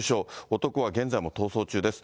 男は現在も逃走中です。